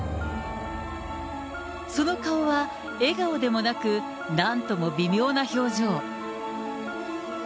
その顔は笑顔でもなく、なんとも微妙な表情。